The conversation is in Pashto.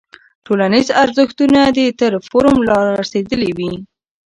ټولنیز ارزښتونه دې تر فورم رارسېدلی وي.